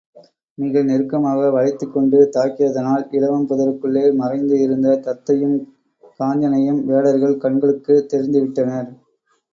மிக நெருக்கமாக வளைத்துக்கொண்டு தாக்கியதனால், இலவம் புதருக்குள்ளே மறைந்து இருந்த தத்தையும் காஞ்சனையும் வேடர்கள் கண்களுக்குத் தெரிந்துவிட்டனர்.